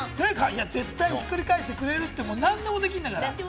絶対ひっくり返してくれるって、何でもできるんだから。